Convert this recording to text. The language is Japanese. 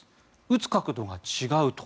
打つ角度が違うと。